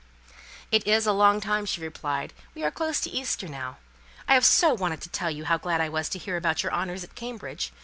"It is a long time," she replied; "we are close to Easter now. I have so wanted to tell you how glad I was to hear about your honours at Cambridge.